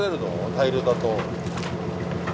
大漁だと。